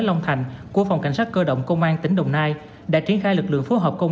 long thành của phòng cảnh sát cơ động công an tỉnh đồng nai đã triển khai lực lượng phối hợp công